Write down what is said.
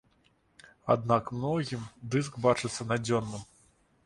Аднак многім дыск бачыцца надзённым.